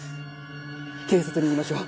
警察に言いましょう。